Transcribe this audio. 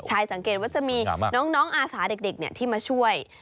ใช่สังเกตว่าจะมีน้องอาสาเด็กที่มาช่วย